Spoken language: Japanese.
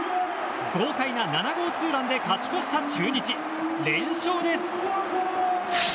豪快な７号ツーランで勝ち越した中日、連勝です。